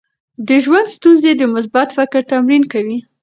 د ژوند ستونزې د مثبت فکر تمرین کوي.